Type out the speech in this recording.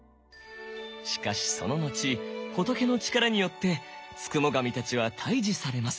しかしその後仏の力によって付喪神たちは退治されます。